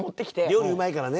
料理うまいからね。